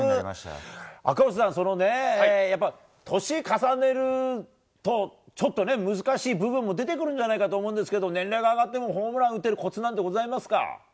赤星さん、年を重ねるとちょっと難しい部分も出てくるんじゃないかと思うんですけど年齢が上がってもホームラン打てるコツなんてございますか？